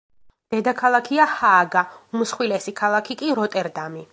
დედაქალაქია ჰააგა, უმსხვილესი ქალაქი კი როტერდამი.